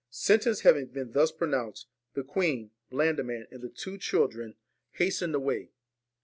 Sentence having been thus pronounced, the queen, Blandiman, and the two children, VALEN hastened away.